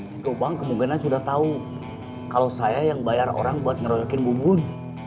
sike bang kemungkinan sudah tahu kalau saya yang bayar orang buat ngeroyokin bu bun